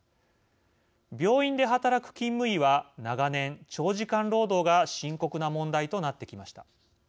病院で働く勤務医は長年長時間労働が深刻な問題となってきました。